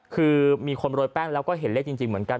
คือมีคนโรยแป้งแล้วก็เห็นเลขจริงเหมือนกัน